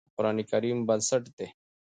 د قرآن کريم بنسټ دی